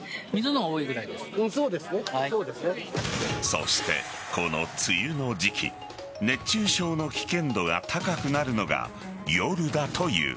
そして、この梅雨の時期熱中症の危険度が高くなるのが夜だという。